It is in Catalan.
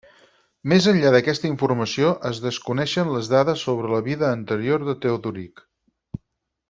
Més enllà d'aquesta informació, es desconeixen les dades sobre la vida anterior de Teodoric.